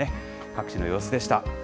各地の様子でした。